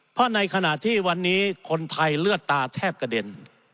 เพราะในขณะที่วันนี้คนไทยเลือดตาแทบกระเด็น